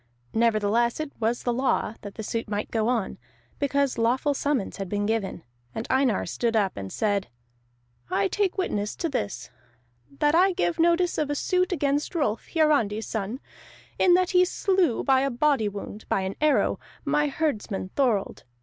Nevertheless it was the law that the suit might go on, because lawful summons had been given. And Einar stood up and said: "I take witness to this, that I give notice of a suit against Rolf Hiarandi's son, in that he slew by a body wound, by an arrow, my herdsman Thorold.